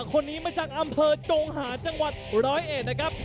คนนี้มาจากอำเภอจงหาจังหวัดร้อยเอก